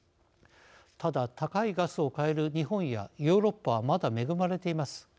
ただ、高いガスを買える日本やヨーロッパはまだ恵まれています。